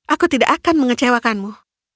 aku tidak akan mengecewakanmu